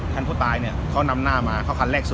ผู้ตายเนี่ยเขานำหน้ามาเข้าคันแรกสุด